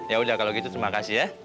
yaudah kalau gitu terima kasih ya